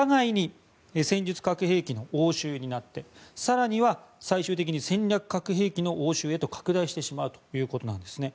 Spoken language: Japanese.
これ、お互いに戦術核兵器の応酬になって更には最終的に戦略核兵器の応酬へと拡大してしまうということです。